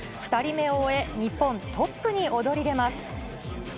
２人目を終え、日本、トップに躍り出ます。